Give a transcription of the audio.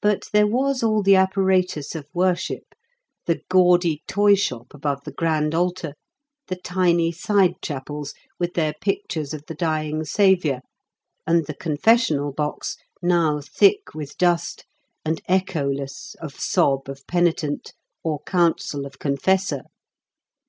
But there was all the apparatus of worship the gaudy toyshop above the grand altar, the tiny side chapels, with their pictures of the dying Saviour, and the confessional box, now thick with dust, and echoless of sob of penitent or counsel of confessor.